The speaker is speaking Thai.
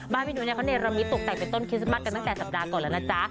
พี่นุ้ยเขาเนรมิตตกแต่งเป็นต้นคริสต์มัสกันตั้งแต่สัปดาห์ก่อนแล้วนะจ๊ะ